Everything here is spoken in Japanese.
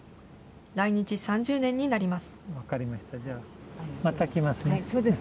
来日３０年になります。